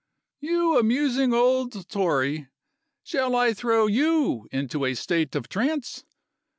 "You amusing old Tory! Shall I throw you into a state of trance?